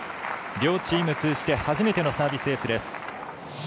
両チーム通じて初めてのサービスエースです。